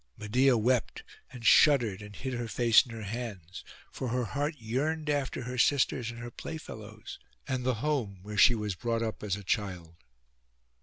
Medeia wept, and shuddered, and hid her face in her hands; for her heart yearned after her sisters and her playfellows, and the home where she was brought up as a child.